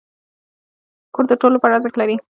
کور د ټولو لپاره ارزښت لري.